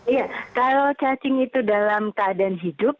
iya kalau cacing itu dalam keadaan hidup